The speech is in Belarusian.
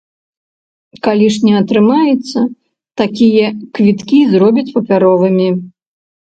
Калі ж не атрымаецца, такія квіткі зробяць папяровымі.